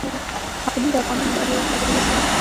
اقلیم د افغانانو د اړتیاوو د پوره کولو وسیله ده.